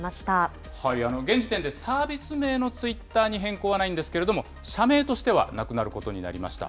現時点で、サービス名のツイッターに変更はないんですけれども、社名としてはなくなることになりました。